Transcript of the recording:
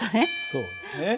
そうだね。